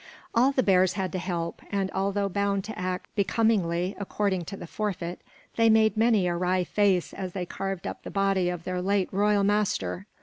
All the bears had to help, and although bound to act becomingly according to the forfeit, they made many a wry face as they carved up the body of their late royal master.